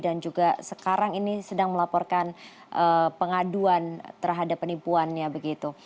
dan juga sekarang ini sedang melaporkan pengaduan terhadap penipuannya begitu